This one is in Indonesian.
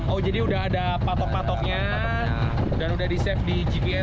oh jadi udah ada patok patoknya dan udah di safe di gps